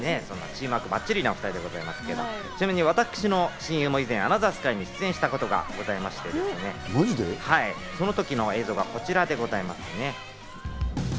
チームワークバッチリなお２人ですが、ちなみに私の親友も以前『アナザースカイ』に出演したことがありましてね、その時の映像がこちらでございますね。